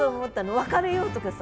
「別れよう」とかさ。